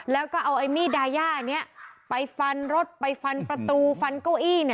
แล้วก็เอาไอ้มีดดาย่านี้ไปฟันรถไปฟันประตูฟันเก้าอี้